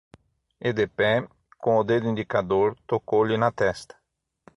E de pé, com o dedo indicador, tocou-lhe na testa.